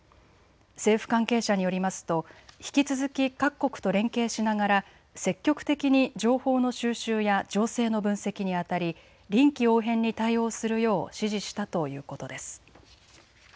政府関係者によりますと引き続き各国と連携しながら積極的に情報の収集や情勢の分析にあたり臨機応変に対応するよう指示したということです。